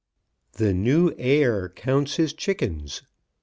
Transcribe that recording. THE NEW HEIR COUNTS HIS CHICKENS.